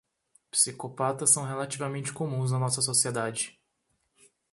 Psicopatas são relativamente comuns na nossa sociedade